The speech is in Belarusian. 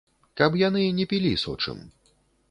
Каб яны не пілі, сочым.